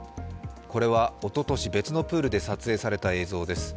これはおととし別のプールで撮影された映像です。